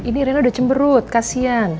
ini rela udah cemberut kasian